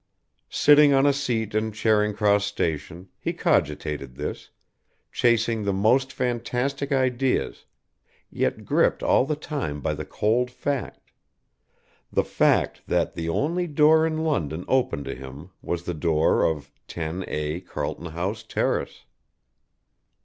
Sitting on a seat in Charing Cross station, he cogitated thus, chasing the most fantastic ideas, yet gripped all the time by the cold fact. The fact that the only door in London open to him was the door of 10A, Carlton House Terrace.